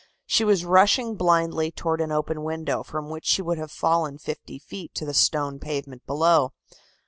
She was rushing blindly toward an open window, from which she would have fallen fifty feet to the stone pavement below.